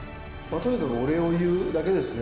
とにかくお礼を言うだけですね。